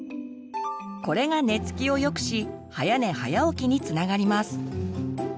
これが寝つきを良くし早寝早起きにつながります。